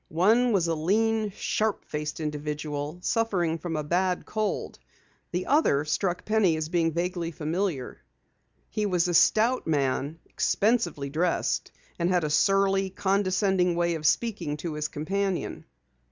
One was a lean, sharp faced individual suffering from a bad cold. The other, struck Penny as being vaguely familiar. He was a stout man, expensively dressed, and had a surly, condescending way of speaking to his companion.